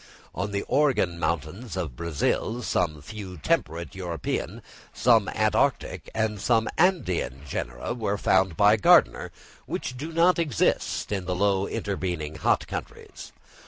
On the Organ Mountains of Brazil some few temperate European, some Antarctic and some Andean genera were found by Gardner which do not exist in the low intervening hot countries.